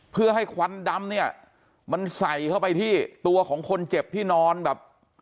เพื่อให้ควันดำเนี่ยมันใส่เข้าไปที่ตัวของคนเจ็บที่นอนแบบ